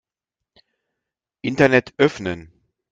Internet öffnen.